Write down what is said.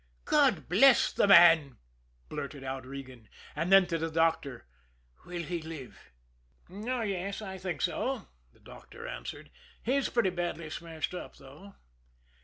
"God bless the man!" blurted out Regan. And then, to the doctor: "Will he live?" "Oh, yes; I think so," the doctor answered. "He's pretty badly smashed up, though."